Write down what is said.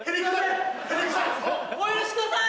お許しください！